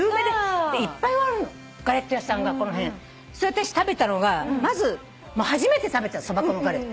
私食べたのがまず初めて食べたそば粉のガレット。